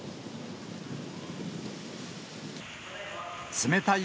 冷たい。